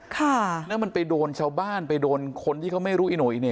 ค่ะแล้วมันไปโดนชาวบ้านไปโดนคนที่เขาไม่รู้อีโน่อีเน่